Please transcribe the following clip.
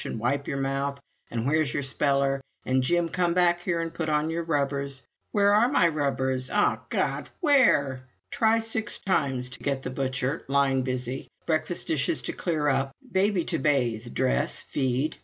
and "Wipe your mouth!" and "Where's your speller?" and "Jim, come back here and put on your rubbers!" ("Where are my rubbers?" Ach Gott! where?) Try six times to get the butcher line busy. Breakfast dishes to clear up; baby to bathe, dress, feed.